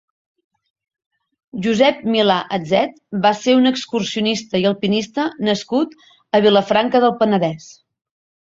Josep Milà Atset va ser un excursionista i alpinista nascut a Vilafranca del Penedès.